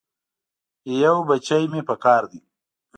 یو بچی مې پکار دی.